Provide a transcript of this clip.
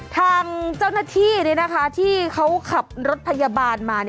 ทางเจ้าหน้าที่ที่เขาขับรถพยาบาลมา